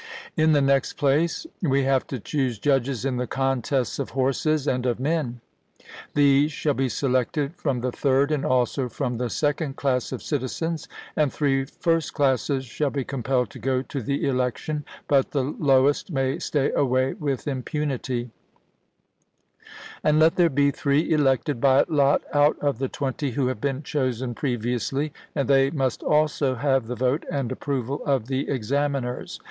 In the next place, we have to choose judges in the contests of horses and of men; these shall be selected from the third and also from the second class of citizens, and three first classes shall be compelled to go to the election, but the lowest may stay away with impunity; and let there be three elected by lot out of the twenty who have been chosen previously, and they must also have the vote and approval of the examiners.